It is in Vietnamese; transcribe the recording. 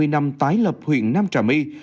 hai mươi năm tái lập huyện nam trà my